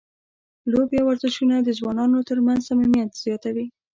لوبې او ورزشونه د ځوانانو ترمنځ صمیمیت زیاتوي.